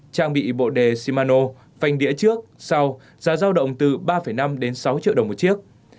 trang bị bộ đề shimano phanh đĩa trước sau giá giao động từ ba năm đến sáu triệu đồng một chiếc